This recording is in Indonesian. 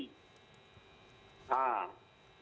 itu yang terjadi